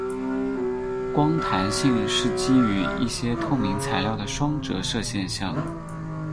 光弹性是基于一些透明材料的双折射现象。